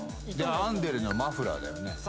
編んでるのはマフラーだよね